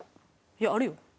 いやあるよ。